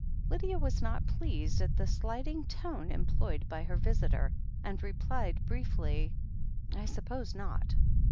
Lydia was not pleased at the slighting tone employed by her visitor, and replied briefly : "I suppose not."